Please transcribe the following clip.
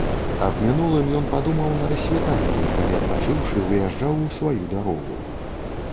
Аб мінулым ён падумаў на рассвітанні, калі, адпачыўшы, выязджаў у сваю дарогу.